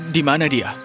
di mana dia